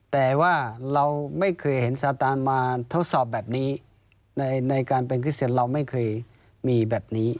แต่ว่าเราไม่เคยเห็นซาตานมาทดสอบแบบนี้ในการเป็นคริสเซนเราไม่เคยมีแบบนี้